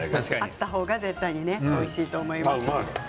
あった方が絶対にねおいしいと思います。